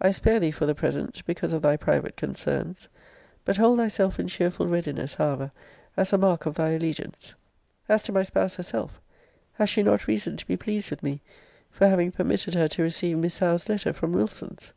I spare thee for the present, because of thy private concerns. But hold thyself in cheerful readiness, however, as a mark of thy allegiance. As to my spouse herself, has she not reason to be pleased with me for having permitted her to receive Miss Howe's letter from Wilson's?